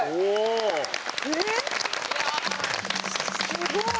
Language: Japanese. すごい。